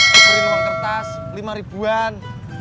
diberi uang kertas lima ribuan